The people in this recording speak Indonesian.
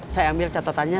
saya ambil catatannya